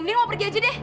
mending mau pergi aja deh